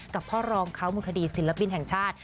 กับพ่อรองเขามูลคดีศิลปินแห่งชาติ